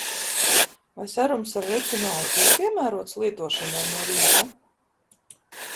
Vai serums ar retinolu ir piemērots lietošanai no rīta?